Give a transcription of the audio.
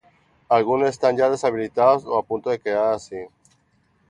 Algunos están ya deshabitados o a punto de quedar así.